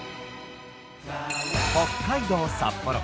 北海道札幌。